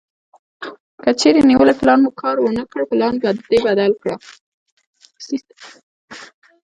کچېرې نیولی پلان مو کار ونه کړ پلان دې بدل کړه.